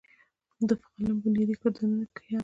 د فلم بنيادي کردارونو کښې هم